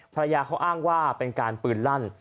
ภรรยาเขาอ้างว่าเป็นการปืนลั่น